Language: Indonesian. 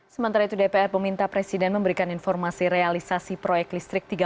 sementara itu dpr meminta presiden memberikan informasi realisasi proyek listrik tiga puluh lima mw